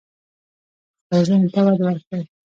خپل ذهن ته وده ورکړئ.